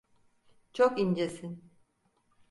Çok incesin.